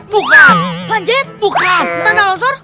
bukan panjet bukan tanda losor